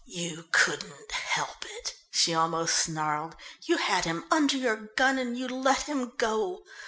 "You couldn't help it!" she almost snarled. "You had him under your gun and you let him go.